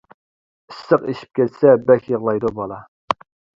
ئىسسىق ئېشىپ كەتسە بەك يىغلايدۇ بالا.